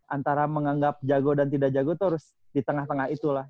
antara menganggap jago dan tidak jago tuh harus di tengah tengah itu lah